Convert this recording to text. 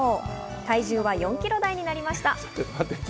体重は４ｋｇ台になりました。